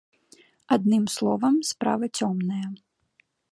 Адным словам, справа цёмная.